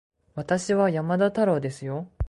私は山田太郎ですよ